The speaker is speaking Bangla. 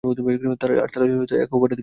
আর তারা ছিল এক অপরাধী সম্প্রদায়।